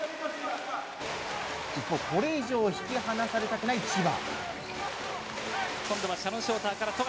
一方、これ以上引き離されたくない千葉。